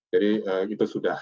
jadi itu sudah